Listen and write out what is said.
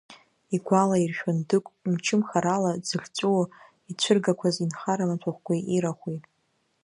Игәалаиршәон Дыгә мчымхарала дзыхьҵәуо ицәыргақәаз инхара маҭәахәқәеи ирахәи.